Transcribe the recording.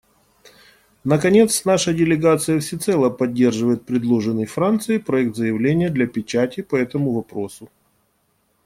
Наконец, наша делегация всецело поддерживает предложенный Францией проект заявления для печати по этому вопросу.